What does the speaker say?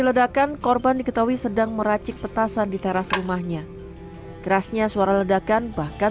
ledakan korban diketahui sedang meracik petasan di teras rumahnya kerasnya suara ledakan bahkan